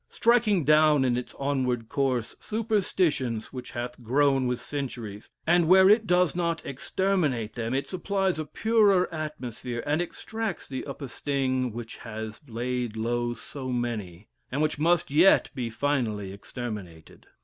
Striking down in its onward course superstitions which hath grown with centuries, and where it does not exterminate them, it supplies a purer atmosphere, and extracts the upas sting which has laid low so many, and which must yet be finally exterminated.